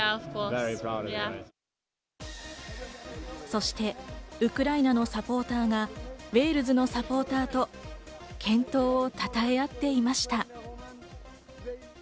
そしてウクライナのサポーターがウェールズのサポーターと健闘をたたえ合っていました。